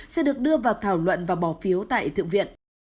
sẽ được đưa vào thảo luận và bỏ phiếu tại thượng viện